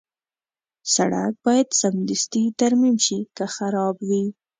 سړک باید سمدستي ترمیم شي که خراب وي.